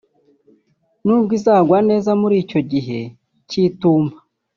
nubwo izagwa neza muri icyo gihe cy’itumba